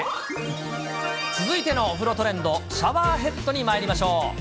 続いてのお風呂トレンド、シャワーヘッドにまいりましょう。